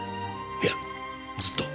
いやずっと。